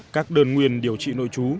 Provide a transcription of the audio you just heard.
các đơn nguyên điều trị nội trú